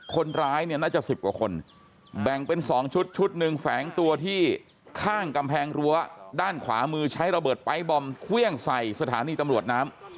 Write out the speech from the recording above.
คนร้ายเนี่ยน่าจะ๑๐กว่าคนแบ่งเป็น๒ชุดชุดหนึ่งแฝงตัวที่ข้างกำแพงรั้วด้านขวามือใช้ระเบิดไป๊บอมเครื่องใส่สถานีตำรวจน้ำ